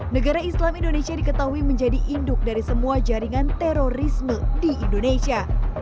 negara islam indonesia diketahui menjadi induk dari semua jaringan terorisme di indonesia